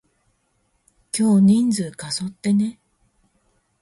今日人数過疎ってね？